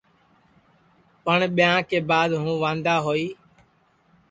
پٹؔ ٻیاں کے بعد ہوں واندا ہوئی